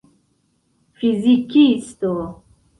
fizikisto